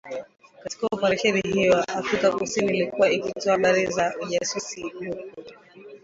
Katika Oparesheni hiyo, Afrika kusini ilikuwa ikitoa habari za ujasusi huku